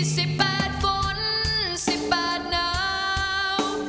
สิบแปดฝนสิบแปดหนาว